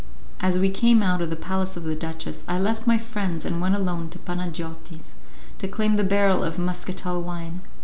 As we came out of the palace of the duchess, I left my friends and went alone to Panagiotti's to claim the barrel of muscatel wine.